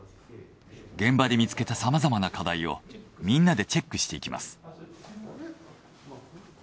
現場で見つけたさまざまな課題をみんなでチェックしていきます。